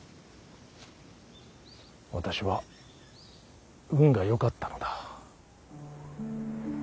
私は運がよかったのだ。